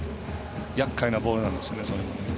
やっかいなボールなんですよねそれもね。